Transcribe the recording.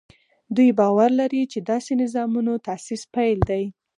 دوی باور لري چې داسې نظامونو تاسیس پیل دی.